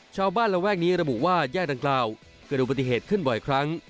ระแวกนี้ระบุว่าแยกดังกล่าวเกิดอุบัติเหตุขึ้นบ่อยครั้ง